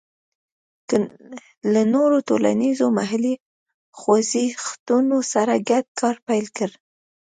له نورو ټولنیزو محلي خوځښتونو سره ګډ کار پیل کړ.